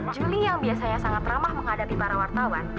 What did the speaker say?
juli yang biasanya sangat ramah menghadapi para wartawan